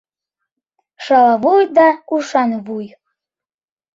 — Шалавуй да ушан вуй...